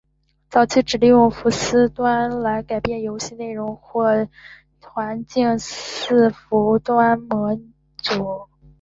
早期只有利用伺服端来改变游戏内容或环境的伺服端模组。